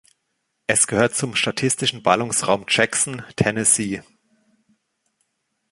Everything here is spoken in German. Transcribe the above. Es gehört zum statistischen Ballungsraum Jackson, Tennessee.